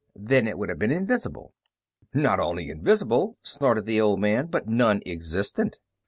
Then it would have been invisible." "Not only invisible," snorted the old man, "but non existent."